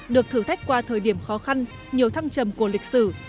được thử thách qua thời điểm khó khăn nhiều thăng trầm của lịch sử